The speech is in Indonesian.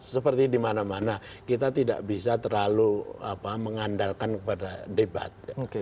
seperti di mana mana kita tidak bisa terlalu mengandalkan kepada debat